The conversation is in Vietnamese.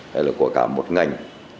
hay là của cả một ngành